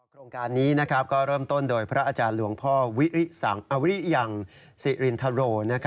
โครงการนี้ก็เริ่มต้นโดยพระอาจารย์หลวงพ่อวิริสังอริยังสิรินทโร